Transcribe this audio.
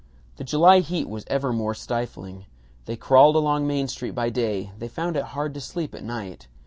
The July heat was ever more stifling. They crawled along Main Street by day; they found it hard to sleep at night.